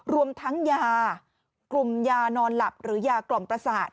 รวมทั้งยากลุ่มยานอนหลับหรือยากล่อมประสาท